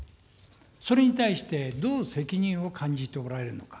それに対して、どう責任を感じておられるのか。